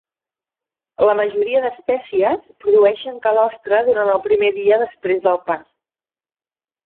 La majoria d'espècies produeixen calostre durant el primer dia després del part.